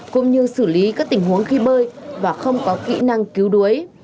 cũng như xử lý các tình huống khi bơi và không có kỹ năng cứu đuối